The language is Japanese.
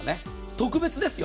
特別ですよ。